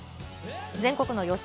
全国の予想